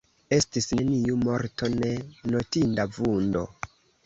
Estis neniu morto, ne notinda vundo.